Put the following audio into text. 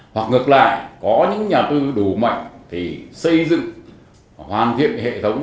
hoặc ngược lại có những nhà tư đủ mạnh thì xây dựng hoàn thiện hệ thống